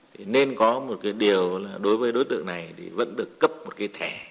thì nên có một cái điều là đối với đối tượng này thì vẫn được cấp một cái thẻ